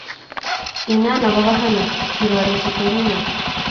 Inan agobo Hannah, kirorechi Penninah